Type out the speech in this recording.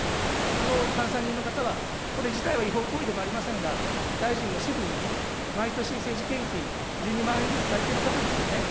この監査人の方は、これ自体は違法行為でもありませんが、大臣の支部にね、毎年政治献金、１２万円ずつされている方ですよね。